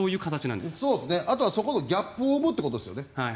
あとはそこのギャップを持とうということですね。